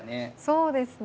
そうですね。